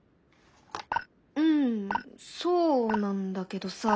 うんそうなんだけどさ。